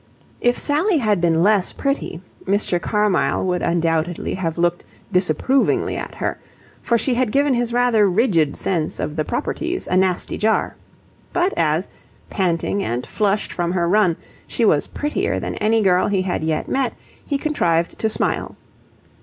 If Sally had been less pretty, Mr. Carmyle would undoubtedly have looked disapprovingly at her, for she had given his rather rigid sense of the proprieties a nasty jar. But as, panting and flushed from her run, she was prettier than any girl he had yet met, he contrived to smile.